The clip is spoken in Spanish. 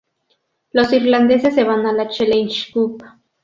Los irlandeses se van a la Challenge Cup.